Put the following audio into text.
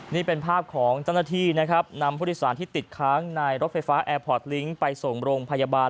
นี่เป็นภาพของเจ้าหน้าที่นะครับนำผู้โดยสารที่ติดค้างในรถไฟฟ้าแอร์พอร์ตลิงค์ไปส่งโรงพยาบาล